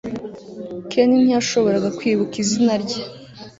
Ken ntiyashoboraga kwibuka izina rye